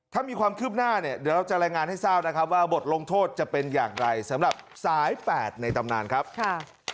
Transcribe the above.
ถ้ามีความคืบหน้าเนี่ยเดี๋ยวเราจะรายงานให้ทราบนะครับว่าบทลงโทษจะเป็นอย่างไรสำหรับสายแปดในตำนานครับค่ะ